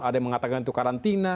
ada yang mengatakan itu karantina